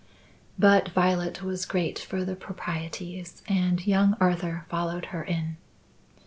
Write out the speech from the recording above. But Violet was great for the proprieties and young Arthur followed her in.